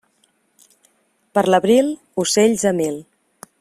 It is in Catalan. Per l'abril, ocells a mil.